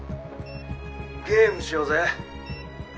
ゲームしようぜ。